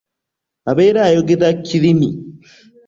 Abeera ayogeza kirimi.